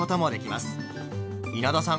稲田さん